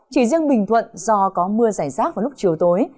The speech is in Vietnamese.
chỉ riêng bình thuận do có mưa giải rác vào lúc chiều tối